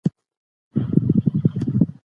فکر باید د کار په ځای کې د کور ستونزو ته نه وي.